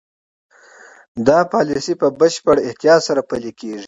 دا پالیسي په بشپړ احتیاط سره پلي کېږي.